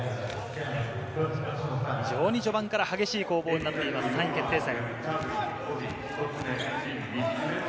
非常に序盤から激しい攻防になっています、３位決定戦。